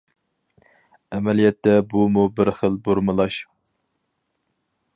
ئەمەلىيەتتە بۇمۇ بىر خىل بۇرمىلاش.